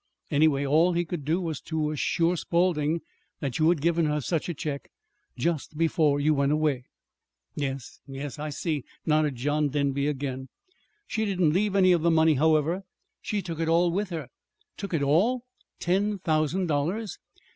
Anyway, all he could do was to assure Spawlding that you had given her such a check just before you went away." "Yes, yes, I see," nodded John Denby again. "She didn't leave any of the money, however. She took it all with her." "Took it all ten thousand dollars!"